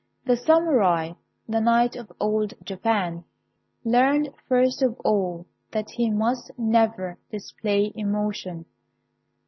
The samurai (the knight of old Japan) learned first of all that he must never display emotion.